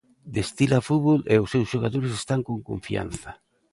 Destila fútbol e os seus xogadores están con confianza.